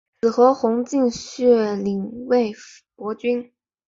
子何弘敬续领魏博军。